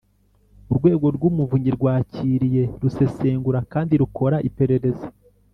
urwego rw’umuvunyi rwakiriye, rusesengura kandi rukora iperereza